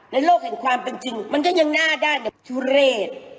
โลกแห่งความเป็นจริงมันก็ยังหน้าด้านแบบทุเรศ